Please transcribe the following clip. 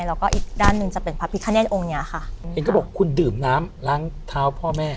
แล้วก็อีกด้านหนึ่งจะเป็นพระพิคเนธองค์เนี้ยค่ะเห็นก็บอกคุณดื่มน้ำล้างเท้าพ่อแม่